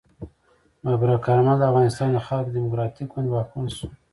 ببرک کارمل د افغانستان د خلق دموکراتیک ګوند واکمن شو.